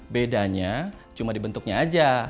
bedanya cuma di bentuknya aja